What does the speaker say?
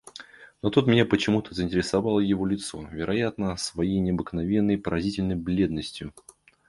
Но тут меня почему-то заинтересовало его лицо, вероятно, своею необыкновенной и поразительной бледностью.